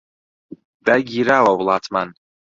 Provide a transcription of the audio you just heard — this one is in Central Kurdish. داگیراوە وڵاتمان